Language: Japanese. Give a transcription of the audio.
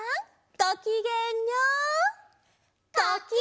ごきげんよう！